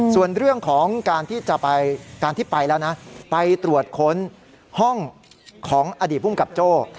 ส่วนเรื่องของการที่จะไปการที่ไปแล้วนะไปตรวจค้นห้องของอดีตภูมิกับโจ้